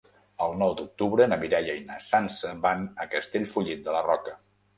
El nou d'octubre na Mireia i na Sança van a Castellfollit de la Roca.